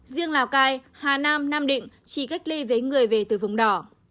riêng lào cai hà nam nam định chỉ cách ly với người về từ vùng đỏ